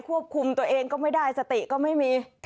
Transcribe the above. ควบคุมตัวเองก็ไม่ได้สติก็ไม่มี